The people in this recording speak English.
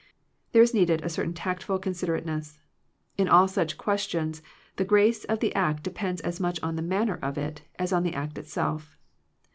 There is needed a certain tactful considerateness. In all such ques tions the grace of the act depends as much on the manner of it, as on the act itself.